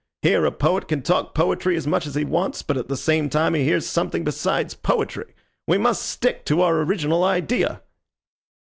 Here a poet can talk poetry as much as he wants, but at the same time he hears something besides poetry. We must stick to our original idea."